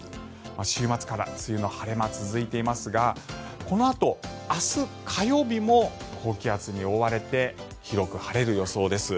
週末から梅雨の晴れ間が続いていますがこのあと明日火曜日も高気圧に覆われて広く晴れる予想です。